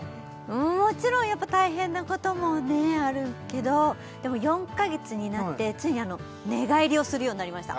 うんもちろんやっぱ大変なこともねあるけどでも４か月になってついに寝返りをするようになりました